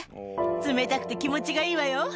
冷たくて気持ちがいいわよ。